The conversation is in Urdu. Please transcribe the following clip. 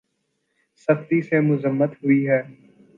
سختی سے مذمت ہوئی ہے